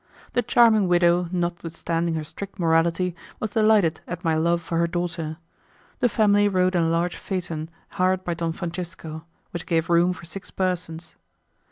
The charming widow, notwithstanding her strict morality, was delighted at my love for her daughter. The family rode in a large phaeton hired by Don Francisco, which gave room for six persons.